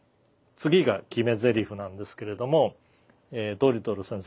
次が決めゼリフなんですけれどもドリトル先生